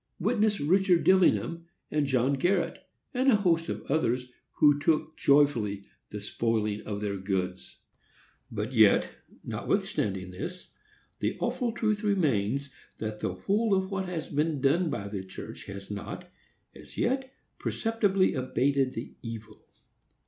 Witness Richard Dillingham, and John Garrett, and a host of others, who took joyfully the spoiling of their goods. But yet, notwithstanding this, the awful truth remains, that the whole of what has been done by the church has not, as yet, perceptibly abated the evil.